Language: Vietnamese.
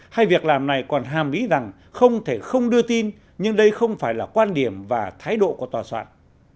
hay việc làm này còn hàm ý rằng không thể không đưa tin nhưng đây không phải là quan điểm và thái độ của tòa soạn